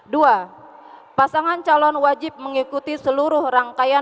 dua pasangan calon wajib mengikuti seluruh rangkaian